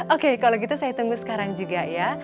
oke kalau gitu saya tunggu sekarang juga ya